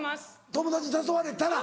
友達誘われたら。